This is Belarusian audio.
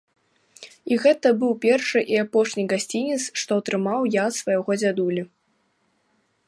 І гэта быў першы і апошні гасцінец, што атрымаў я ад свайго дзядулі.